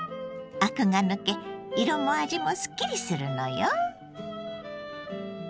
アクが抜け色も味もすっきりするのよ。